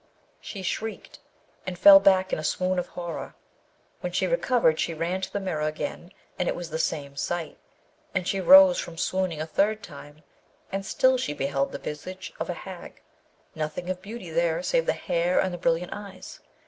She shrieked, and fell back in a swoon of horror. When she recovered, she ran to the mirror again, and it was the same sight. And she rose from swooning a third time, and still she beheld the visage of a hag; nothing of beauty there save the hair and the brilliant eyes.